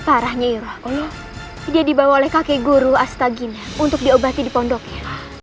parahnya irah dia dibawa oleh kakek guru astagina untuk diobati di pondoknya